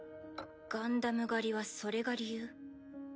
ガンダム狩りはそれが理由？